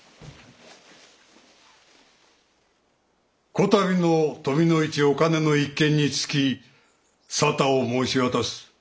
・此度の富の市おかねの一件につき沙汰を申し渡す。